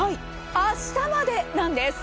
明日までなんです。